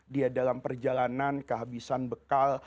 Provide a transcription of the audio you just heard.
dia dalam perjalanan kehabisan bekal